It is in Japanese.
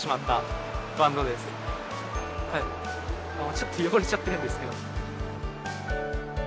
ちょっと汚れちゃっているんですけど。